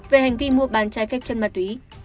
về hành vi mua bán chai phép chân mặt túy